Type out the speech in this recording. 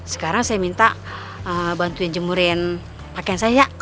sekarang saya minta bantuin jemurin pakaian saya